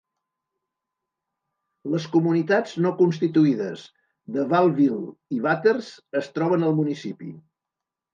Les comunitats no constituïdes de Wahlville i Watters es troben al municipi.